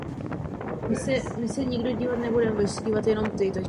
Jak můžeme od znevýhodněných, málo vzdělaných pacientů očekávat informovaný souhlas?